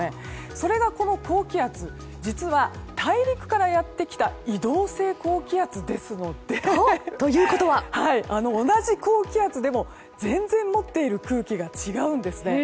それがこの高気圧実は大陸からやってきた移動性高気圧ですので同じ高気圧でも全然持っている空気が違うんですね。